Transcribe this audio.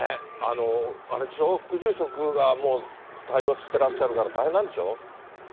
あれでしょ、副住職がもう対応してらっしゃるから大変なんでしょ。